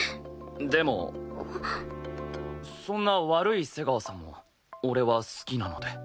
でもそんな悪い瀬川さんも俺は好きなので。